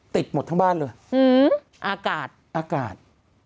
ติดหมดทั้งบ้านเลยอากาศ